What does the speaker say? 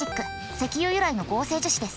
石油由来の合成樹脂です。